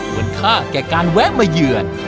ค่าแก่การแวะมาเยือน